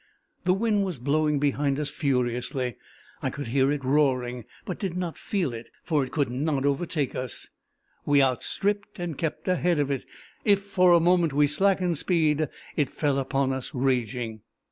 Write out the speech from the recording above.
The wind was blowing behind us furiously: I could hear it roaring, but did not feel it, for it could not overtake us; we out stripped and kept ahead of it; if for a moment we slackened speed, it fell upon us raging.